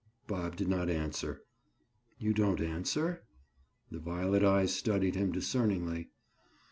Bob did not answer. "You don't answer?" The violet eyes studied him discerningly.